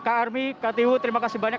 kak armi kak tewu terima kasih banyak